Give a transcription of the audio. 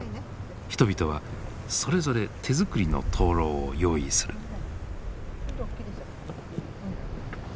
人々はそれぞれ手作りの灯籠を用意する。